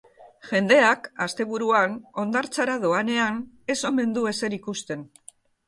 Jendeak, asteburuan hondartzara doanean, ez omen du ezer ikusten...